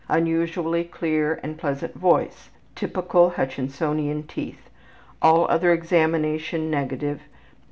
Unusually clear and pleasant voice. Typical Hutchinsonian teeth. All other examination negative.